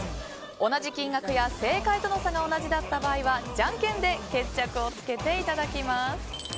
同じ金額や正解との差が同じだった場合はじゃんけんで決着をつけていただきます。